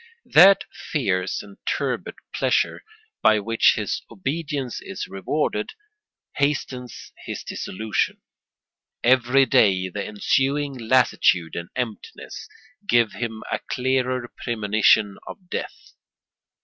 That fierce and turbid pleasure, by which his obedience is rewarded, hastens his dissolution; every day the ensuing lassitude and emptiness give him a clearer premonition of death.